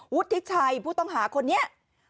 วุฒิชัยผู้ต้องหาคนนี้